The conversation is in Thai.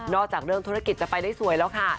จากเรื่องธุรกิจจะไปได้สวยแล้วค่ะ